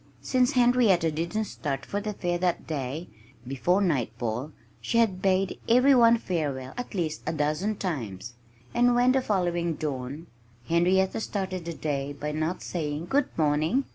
Since Henrietta didn't start for the fair that day, before nightfall she had bade every one farewell at least a dozen times. And when, the following dawn, Henrietta started the day not by saying "Good morning!"